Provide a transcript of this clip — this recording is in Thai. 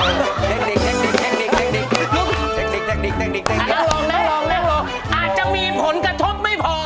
อาจจะมีผลกระทบไม่พอ